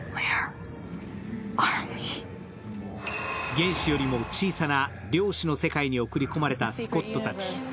原子よりも小さな量子の世界に送り込まれたスコットたち。